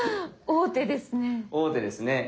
王手ですね。